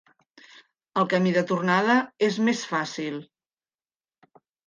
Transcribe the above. El camí de tornada és més fàcil.